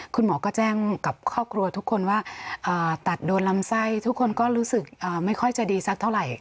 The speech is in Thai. คุณหมอก็แจ้งกับครอบครัวทุกคนว่าตัดโดนลำไส้ทุกคนก็รู้สึกไม่ค่อยจะดีสักเท่าไหร่